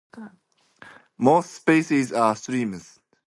Most species are rheophilic, living in swift, clear and well-oxygenated streams.